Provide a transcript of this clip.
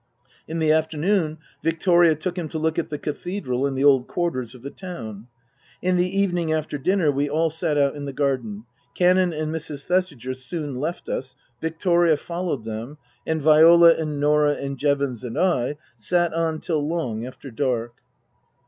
In the afternoon Victoria took him to look at the Cathedral and the old quarters of the town. In the evening, after dinner, we all sat out in the garden. Canon and Mrs. Thesiger soon left us ; Victoria followed them ; and Viola and Norah and Jevons and I sat on till long after dark.